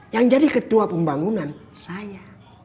yang jadi ketua pembangunan saya